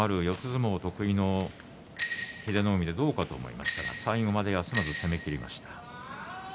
相撲を得意の英乃海、どうかと思いましたが最後まで休まず攻めきりました。